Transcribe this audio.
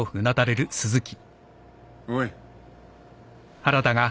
おい！